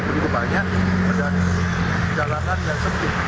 begitu banyak medali jalanan yang sempit